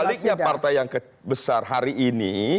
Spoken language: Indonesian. sebaliknya partai yang besar hari ini